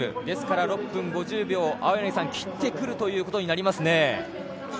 ですから６分５０秒を切ってくるということになりますね。